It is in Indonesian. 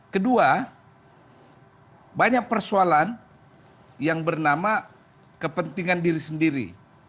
kedua banyak persoalan yang bernama kepentingan diri sendiri